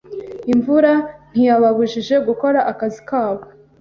Imvura ntiyababujije gukora akazi kabo.